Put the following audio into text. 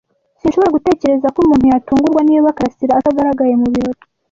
Sinshobora gutekereza ko umuntu yatungurwa niba karasira atagaragaye mubirori.